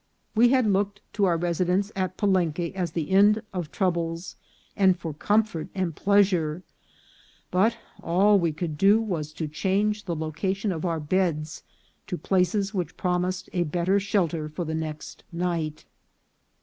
We had looked to our residence at Palenque as the end of troubles, and for comfort and pleasure, but all we could do was to change the location of our beds to places which promised a better shelter for the next night.